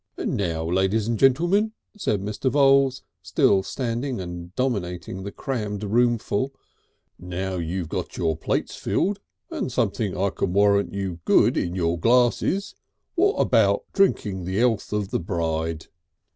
"And now ladies and gentlemen," said Mr. Voules, still standing and dominating the crammed roomful, "now you got your plates filled and something I can warrant you good in your glasses, wot about drinking the 'ealth of the bride?"